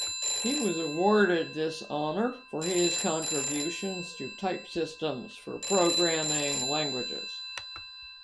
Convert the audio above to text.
He was awarded this honor for his contributions to type systems for programming languages.